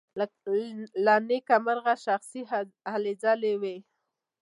له نېکه مرغه شخصي هلې ځلې وې.